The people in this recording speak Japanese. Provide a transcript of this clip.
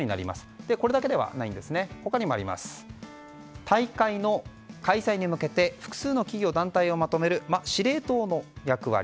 これだけではなく大会の開催に向けて複数の企業、団体をまとめる司令塔の役割